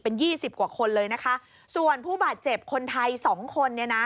เป็น๒๐กว่าคนเลยนะคะส่วนผู้บาดเจ็บคนไทย๒คน